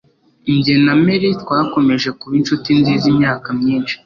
Jye na Mary twakomeje kuba inshuti nziza imyaka myinshi